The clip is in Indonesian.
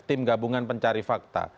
tim gabungan pencari fakta